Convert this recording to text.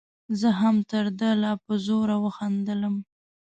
زه هم تر ده لا په زوره وخندلم.